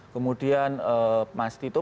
kemudian mas tito